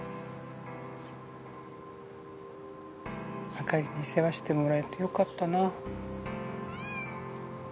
朱莉に世話してもらえてよかったな。